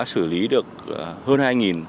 xử lý được hơn hai